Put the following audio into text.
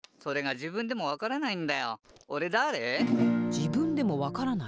じぶんでもわからない？